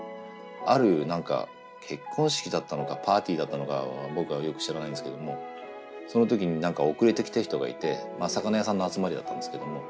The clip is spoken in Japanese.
ある結婚式だったのかパーティーだったのか僕はよく知らないんですけどもその時に遅れてきた人がいて魚屋さんの集まりだったんですけども。